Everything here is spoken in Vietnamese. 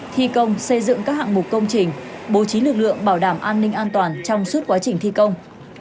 thi công xây dựng các hạng mục công trình bố trí lực lượng bảo đảm an ninh an toàn trong suốt quá trình thi công